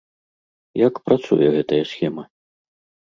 Як працуе гэтая схема?